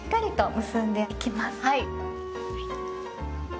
はい。